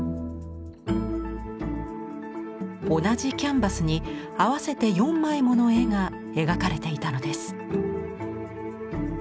同じキャンバスに合わせて４枚もの絵が描かれていたのです。